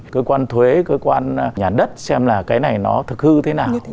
cơ quan thuế cơ quan nhà đất xem là cái này nó thực hư thế nào